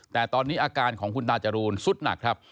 แต่ตอนนี้อาการของคุณตาจรูนสุดหนักครับ